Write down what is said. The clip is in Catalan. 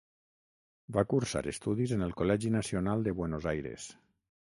Va cursar estudis en el Col·legi Nacional de Buenos Aires.